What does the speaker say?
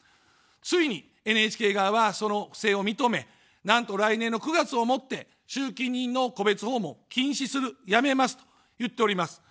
ついにＮＨＫ側は、その不正を認め、なんと来年の９月をもって集金人の戸別訪問を禁止する、やめますと言っております。